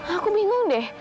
aku bingung deh